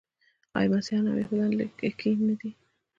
آیا مسیحیان او یهودان لږکي نه دي؟